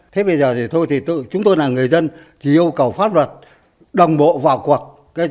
thế bây giờ thì thôi thì chúng tôi là người dân chỉ yêu cầu pháp luật đồng bộ vào cuộc